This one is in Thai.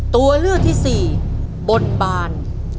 ตัวเลือกที่สี่บนบาน